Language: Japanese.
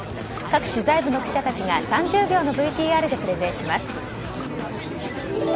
各取材部の記者たちが３０秒のＶＴＲでプレゼンします。